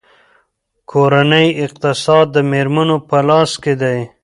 کورنۍ اقتصاد د میرمنو په لاس کې دی.